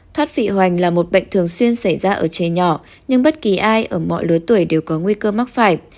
thoát vị hoành là một bệnh thường xuyên xảy ra ở trẻ nhỏ nhưng bất kỳ ai ở mọi lứa tuổi đều có nguy cơ mắc phải